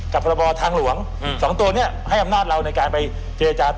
กับพรบทางหลวงสองตัวเนี่ยให้อำนาจเราในการไปเจรจาต่อลอง